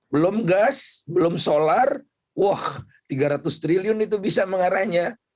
belum gas belum solar wah tiga ratus triliun itu bisa mengarahnya